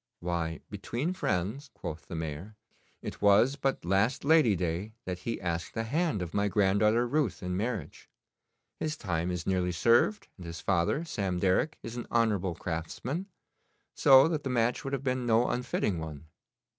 'Why, between friends,' quoth the Mayor, 'it was but last Lady day that he asked the hand of my granddaughter Ruth in marriage. His time is nearly served, and his father, Sam Derrick, is an honourable craftsman, so that the match would have been no unfitting one.